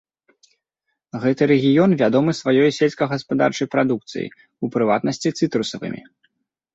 Гэты рэгіён вядомы сваёй сельскагаспадарчай прадукцыяй, у прыватнасці цытрусавымі.